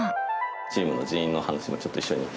チームの人員の話もちょっと一緒に。